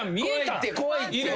怖いって怖いって。